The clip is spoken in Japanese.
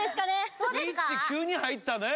スイッチ急に入ったねえ